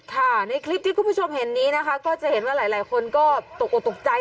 ในคลิปที่คุณผู้ชมเห็นนี้นะคะก็จะเห็นว่าหลายคนก็ตกออกตกใจ